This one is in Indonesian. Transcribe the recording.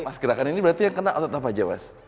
mas gerakan ini berarti yang kena otot apa aja mas